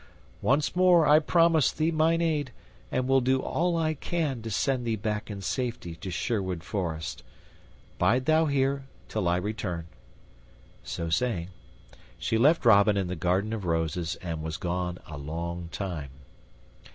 Once more I promise thee mine aid, and will do all I can to send thee back in safety to Sherwood Forest. Bide thou here till I return." So saying, she left Robin in the garden of roses, and was gone a long time.